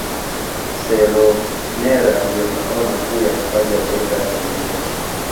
Seronera ndio makao makuu ya hifadhi ya Taifa ya Serengeti